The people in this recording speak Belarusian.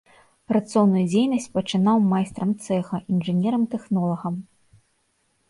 Працоўную дзейнасць пачаткаў майстрам цэха, інжынерам-тэхнолагам.